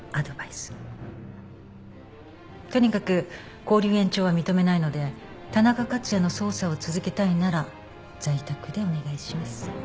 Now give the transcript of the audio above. とにかく勾留延長は認めないので田中克也の捜査を続けたいなら在宅でお願いします。